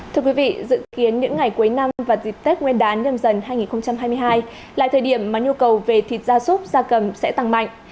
thưa quý vị dự kiến những ngày cuối năm và dịp tết nguyên đán nhầm dần hai nghìn hai mươi hai là thời điểm mà nhu cầu về thịt da sốt da cầm sẽ tăng mạnh